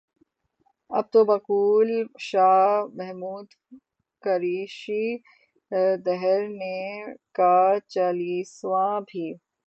اب تو بقول شاہ محمود قریشی، دھرنے کا چالیسواں بھی